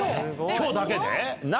今日だけで？